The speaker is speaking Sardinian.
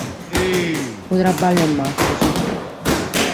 Unu traballu de macos.